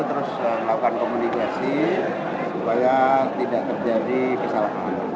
terus melakukan komunikasi supaya tidak terjadi kesalahan